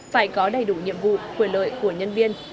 phải có đầy đủ nhiệm vụ quyền lợi của nhân viên